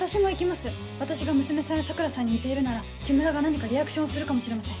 私が娘さんや桜さんに似ているなら木村が何かリアクションをするかもしれません。